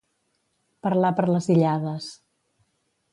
Parlar per les illades.